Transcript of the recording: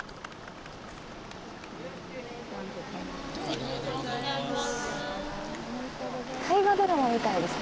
おめでとうございます。